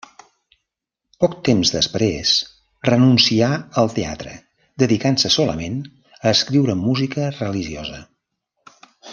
Poc temps després renuncià al teatre dedicant-se solament a escriure música religiosa.